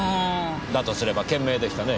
だとすれば賢明でしたね。